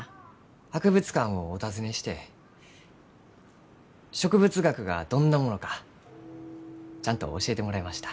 博物館をお訪ねして植物学がどんなものかちゃんと教えてもらいました。